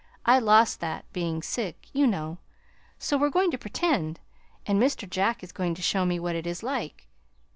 I lost that, being sick, you know. So we're going to pretend, and Mr. Jack is going to show me what it is like.